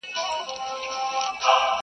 حکم د حدیث قرآن ګوره چي لا څه کیږي!!..